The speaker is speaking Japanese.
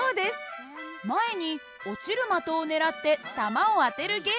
前に落ちる的を狙って球を当てるゲームをしましたね。